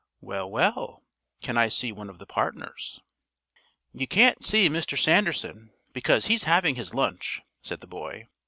"Well, well, can I see one of the partners?" "You can't see Mr. Sanderson, because he's having his lunch," said the boy.